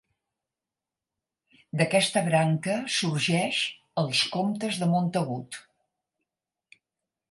D'aquesta branca sorgeix els comtes de Montagut.